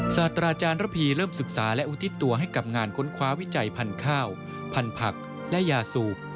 ศาสตราจารย์ระพีเริ่มศึกษาและอุทิศตัวให้กับงานค้นคว้าวิจัยพันธุ์ข้าวพันธุ์ผักและยาสูบ